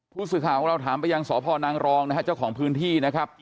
ผู้สื่อข่าวของเราถามไปยังสพนางรองนะฮะเจ้าของพื้นที่นะครับ